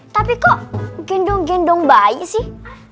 tapi kok gendong gendong bayi sih